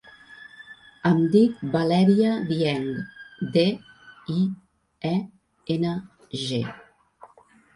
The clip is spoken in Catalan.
Em dic Valèria Dieng: de, i, e, ena, ge.